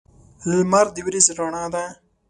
لمر د ورځې رڼا ده.